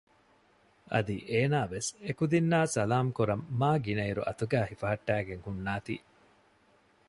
އަދި އޭނާވެސް އެކުދިންނާ ސަލާމް ކުރަން މާ ގިނައިރު އަތުގައި ހިފަހައްޓައިގެން ހުންނާތީ